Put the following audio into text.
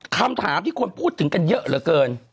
คำถามที่คนพูดถึงกันเยอะเหลือเกิน